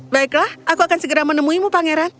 baiklah aku akan segera menemuimu pangeran